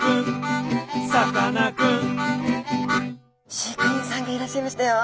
飼育員さんがいらっしゃいましたよ。